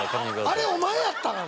あれお前やったん？